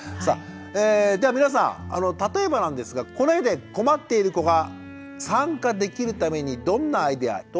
さあでは皆さん例えばなんですがこの絵で困っている子が参加できるためにどんなアイデア。